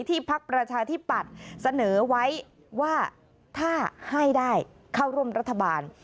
พักประชาธิปัตย์เสนอไว้ว่าถ้าให้ได้เข้าร่วมรัฐบาล